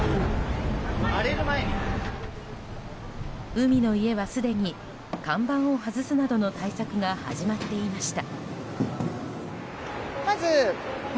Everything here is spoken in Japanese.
海の家はすでに看板を外すなどの対策が始まっていました。